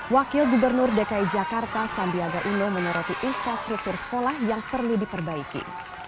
wakil gubernur dki jakarta sandiaga uno menyoroti infrastruktur sekolah yang perlu diperbaiki